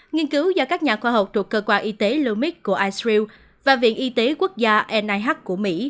nghiên cứu do các nhà khoa học thuộc cơ quan y tế lumix của israel và viện y tế quốc gia nih của mỹ